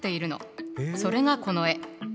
それがこの絵。